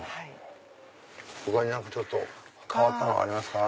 他に何か変わったのありますか？